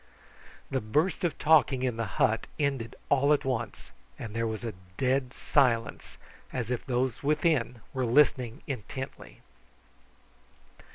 The burst of talking in the hut ended all at once, and there was a dead silence, as if those within were listening intently.